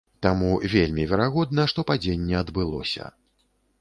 Таму вельмі верагодна, што падзенне адбылося.